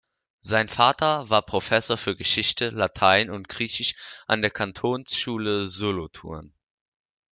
Sein Vater war Professor für Geschichte, Latein und Griechisch an der Kantonsschule Solothurn.